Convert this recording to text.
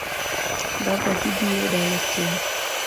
Baba dhi biro dala kiny